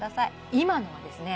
今のはですね